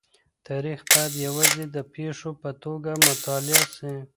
تاریخ باید یوازې د پېښو په توګه مطالعه سي.